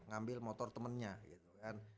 ngambil motor temennya gitu kan